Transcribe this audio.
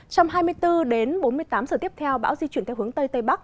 trong hai mươi bốn đến bốn mươi tám giờ tiếp theo bão di chuyển theo hướng tây tây bắc